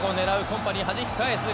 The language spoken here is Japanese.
コンパニーはじき返す。